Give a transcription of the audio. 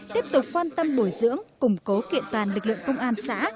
tiếp tục quan tâm bồi dưỡng củng cố kiện toàn lực lượng công an xã